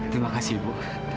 terima kasih ibu